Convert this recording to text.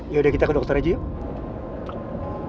ya udah kita ke dokter aja yuk